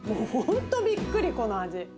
本当、びっくり、この味。